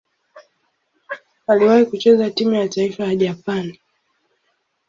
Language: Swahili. Aliwahi kucheza timu ya taifa ya Japani.